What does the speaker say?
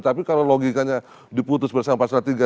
tapi kalau logikanya diputus bersama pasal tiga puluh dua